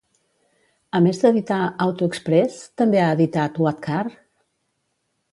A més d'editar "Auto Express" també ha editat "What Car?